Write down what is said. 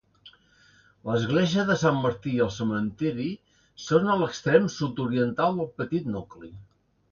L'església de Sant Martí i el cementiri són a l'extrem sud-oriental del petit nucli.